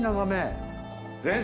先生